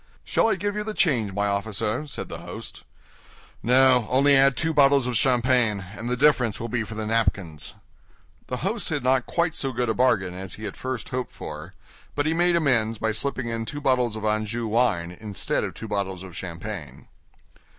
"Shall I give you the change, my officer?" said the host. "No, only add two bottles of champagne, and the difference will be for the napkins." The host had not quite so good a bargain as he at first hoped for, but he made amends by slipping in two bottles of Anjou wine instead of two bottles of champagne.